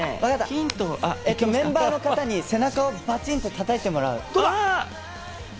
メンバーの方に背中をバチンと叩いてもらう。